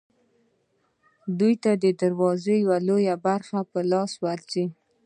دوی ته د بازار لویه برخه په لاس ورځي